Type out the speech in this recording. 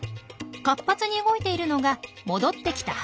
活発に動いているのが戻ってきたハチ。